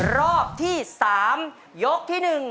รอบที่๓ยกที่๑